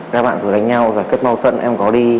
các bạn dù đánh nhau và cứt mau tận em có đi